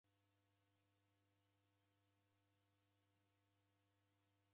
Kilongozi uo oshitakilwa kwa kuiw'a ndoe.